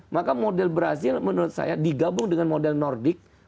maka model brazil menurut saya digabung dengan model nordik